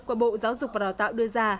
của bộ giáo dục và đào tạo đưa ra